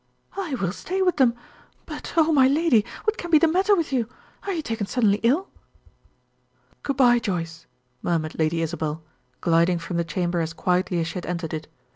"I will stay with them. But, oh, my lady, what can be the matter with you? Are you taken suddenly ill?" "Good bye, Joyce," murmured Lady Isabel, gliding from the chamber as quietly as she had entered it.